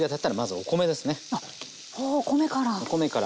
お米から。